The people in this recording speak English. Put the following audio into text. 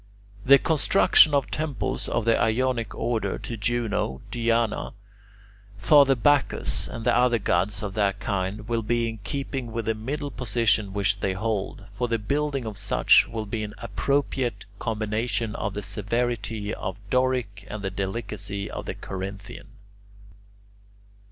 The construction of temples of the Ionic order to Juno, Diana, Father Bacchus, and the other gods of that kind, will be in keeping with the middle position which they hold; for the building of such will be an appropriate combination of the severity of the Doric and the delicacy of the Corinthian.